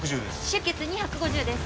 出血２５０です